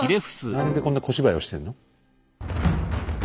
何でこんな小芝居をしてるの？